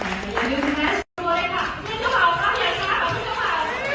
ขอบคุณภาพให้กับคุณผู้ฝ่าย